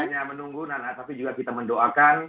kita tidak hanya menunggu tapi juga kita mendoakan